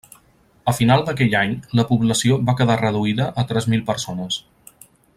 A final d'aquell any la població va quedar reduïda a tres mil persones.